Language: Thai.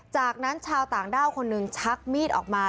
จากนั้นชาวต่างด้าวคนหนึ่งชักมีดออกมา